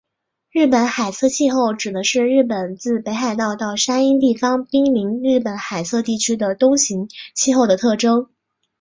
日本海侧气候指的是日本自北海道到山阴地方滨临日本海侧地区的冬型气候的特征。